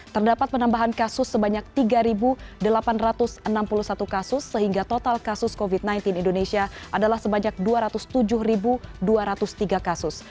terdapat penambahan kasus sebanyak tiga delapan ratus enam puluh satu kasus sehingga total kasus covid sembilan belas indonesia adalah sebanyak dua ratus tujuh dua ratus tiga kasus